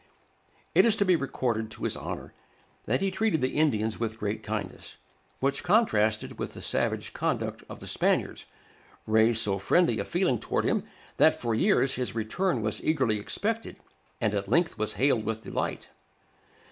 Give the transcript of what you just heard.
It is to be recorded to his honor, that he treated the Indians with great kindness; which, contrasted with the savage conduct of the Spaniards, raised so friendly a feeling toward him, that for years his return was eagerly expected, and at length was hailed with delight.